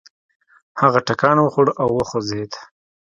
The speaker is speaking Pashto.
هغه ټکان وخوړ او وخوځېد.